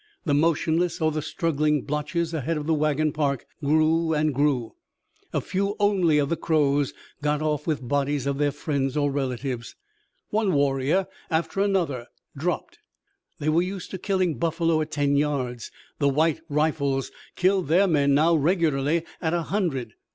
The motionless or the struggling blotches ahead of the wagon park grew and grew. A few only of the Crows got off with bodies of their friend's or relatives. One warrior after another dropped. They were used to killing buffalo at ten yards. The white rifles killed their men now regularly at a hundred.